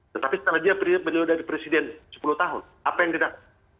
tetapi setelah dia beliau dari presiden sepuluh tahun apa yang tidak